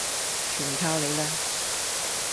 靠晒你啦